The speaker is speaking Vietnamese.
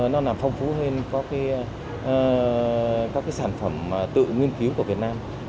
nó làm phong phú hơn các sản phẩm tự nghiên cứu của việt nam